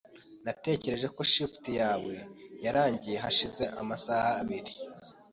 Natekereje ko shift yawe yarangiye hashize amasaha abiri .